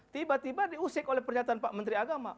tiba tiba diusik oleh pernyataan pak menteri agama